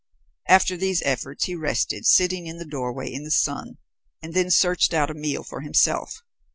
After these efforts he rested, sitting in the doorway in the sun, and then searched out a meal for himself.